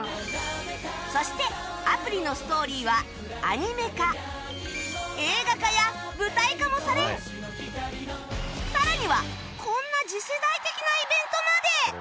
そしてアプリのストーリーはアニメ化映画化や舞台化もされさらにはこんな次世代的なイベントまで！